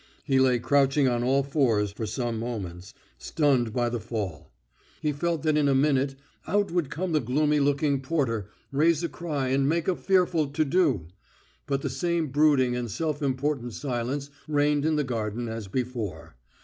He lay crouching on all fours for some moments, stunned by the fall. He felt that in a minute out would come the gloomy looking porter, raise a cry and make a fearful to do.... But the same brooding and self important silence reigned in the garden as before.